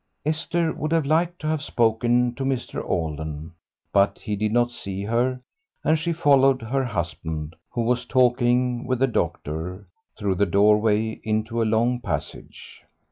Esther would have liked to have spoken to Mr. Alden. But he did not see her, and she followed her husband, who was talking with the doctor, through the doorway into a long passage.